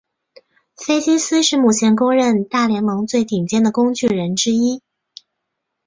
菲金斯是目前公认大联盟最顶尖的工具人之一。